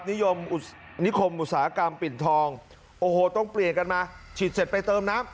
นิยมนิคมอุตสาหกรรมปิ่นทองโอ้โหต้องเปลี่ยนกันมาฉีดเสร็จไปเติมน้ำ